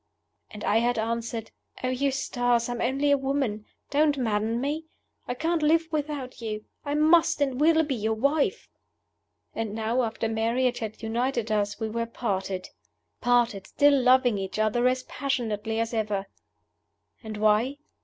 And I had answered, "Oh, Eustace, I am only a woman don't madden me! I can't live without you. I must and will be your wife!" And now, after marriage had united us, we were parted! Parted, still loving each as passionately as ever. And why?